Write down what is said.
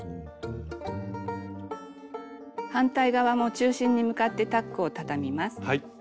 反対側も中心に向かってタックをたたみます。